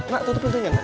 nak tutupin sini